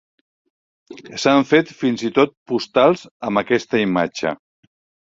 S'han fet fins i tot postals amb aquesta imatge.